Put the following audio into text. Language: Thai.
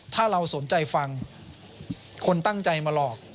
ถ้าเราสนใจฟังคนตั้งใจมาหลอก